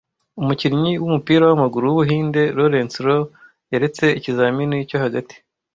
Umukinnyi w’umupira wamaguru w’Ubuhinde, Laurence Rowe, yaretse ikizamini cyo hagati